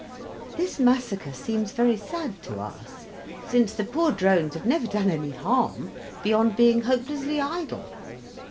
This massacre seems very sad to us, since the poor drones have never done any harm beyond being hopelessly idle.